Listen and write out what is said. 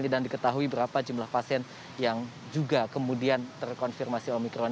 dan diketahui berapa jumlah pasien yang juga kemudian terkonfirmasi omikron